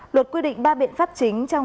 luật quy định ba biện pháp chính trong